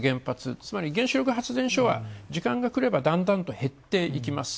つまり原子力発電所は時間がくればだんだんと減っていきます。